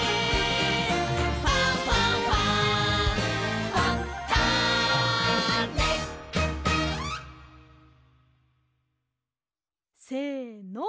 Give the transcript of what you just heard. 「ファンファンファン」せの。